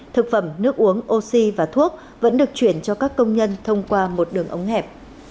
thực phẩm nước uống oxy và thuốc vẫn được chuyển cho các công nhân thông qua một đường ống hẹp